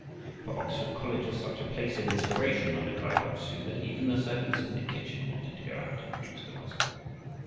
For Oxford College was such a place of inspiration under Kai Bok su, that even the servants in the kitchen wanted to go out and preach the gospel.